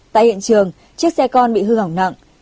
tại hiện trường chiếc xe con bị hư hỏng nặng